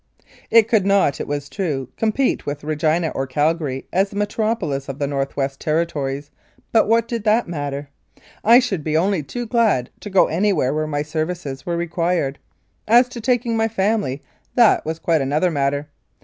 It could not, it was true, compete with Regina or Calgary as the metropolis of the North West Territories, but what did that matter ? I should be only too glad to go anywhere where my services were re quired. As to taking my family, that was quite another matter.